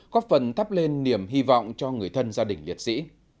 góp phần thắp lên niềm hy vọng cho người thân gia đình liệt sĩ